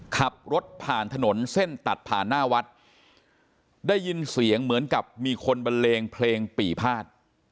ขับรถผ่านถนนเส้นตัดผ่านหน้าวัดได้ยินเสียงเหมือนกับมีคนบันเลงเพลงปีพาด